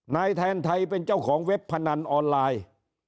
นายแทนไทยเป็นเจ้าของเว็บพนันออนไลน์